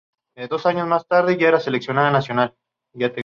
Dos años más tarde ya era seleccionada nacional.